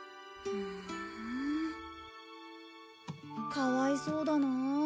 かわいそうだな。